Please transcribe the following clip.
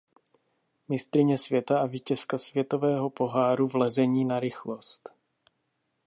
Mistryně světa a vítězka světového poháru v lezení na rychlost.